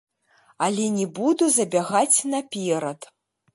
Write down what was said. Але не буду забягаць наперад.